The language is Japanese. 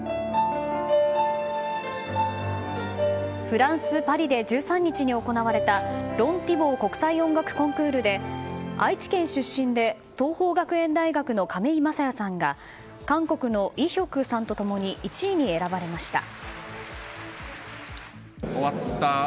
フランス・パリで１３日に行われたロン・ティボー国際音楽コンクールで愛知県出身で桐朋学園大学の亀井聖矢さんが韓国のイ・ヒョクさんと共に１位に選ばれました。